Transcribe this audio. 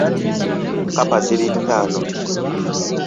Kkapa ziri ttaano .